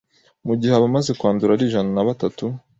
mu gihe abamaze kwandura ari ijana nabatatu